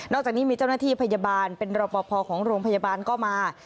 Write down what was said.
จากนี้มีเจ้าหน้าที่พยาบาลเป็นรอปภของโรงพยาบาลก็มา